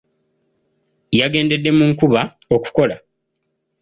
Yagendedde mu nkuba okukola.